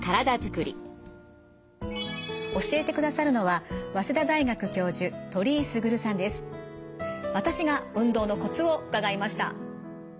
教えてくださるのは私が運動のコツを伺いました。